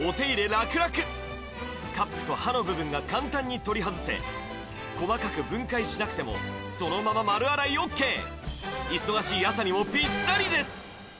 ラクラクカップと刃の部分が簡単に取り外せ細かく分解しなくてもそのまま丸洗いＯＫ忙しい朝にもぴったりです